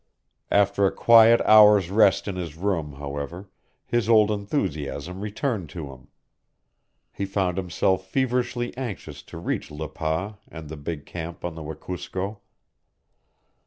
After a quiet hour's rest in his room, however, his old enthusiasm returned to him. He found himself feverishly anxious to reach Le Pas and the big camp on the Wekusko.